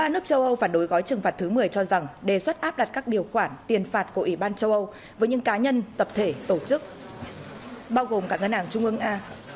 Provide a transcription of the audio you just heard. ba nước châu âu phản đối gói trừng phạt thứ một mươi cho rằng đề xuất áp đặt các điều khoản tiền phạt của ủy ban châu âu với những cá nhân tập thể tổ chức bao gồm cả ngân hàng trung ương a